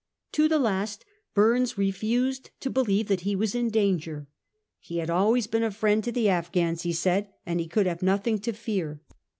To the last Bumes refused to believe that he was in danger. He had always been a friend to the Afghans, he said, and he could have nothing to fear.